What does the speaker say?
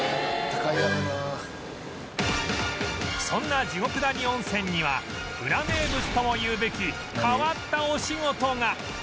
そんな地獄谷温泉にはウラ名物ともいうべき変わったお仕事が